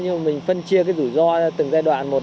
nhưng mà mình phân chia cái rủi ro cho từng giai đoạn một